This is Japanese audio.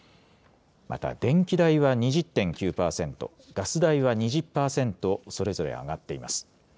また、電気代は２０．９％、ガス代は２０％、それぞれ上がっています。